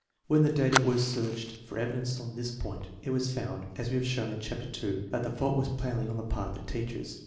When the data were searched for evidence on this point, it was found, as we have shown in Chapter II, that the fault was plainly on the part of the teachers.